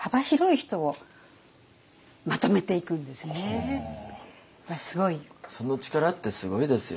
その力ってすごいですよね。